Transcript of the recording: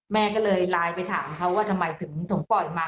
แม่ก็เลยไลน์ไปถามเขาว่าทำไมถึงปล่อยมา